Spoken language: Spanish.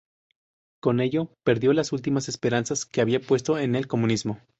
Con ello perdió las últimas esperanzas que había puesto en el comunismo.